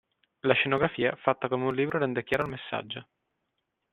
La scenografia, fatta come un libro rende chiaro il messaggio.